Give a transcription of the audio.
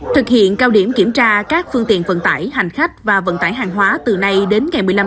thực hiện cao điểm kiểm tra các phương tiện vận tải hành khách và vận tải hàng hóa từ nay đến ngày hôm nay